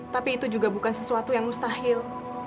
tapi itu juga bukan sesuatu yang mustahil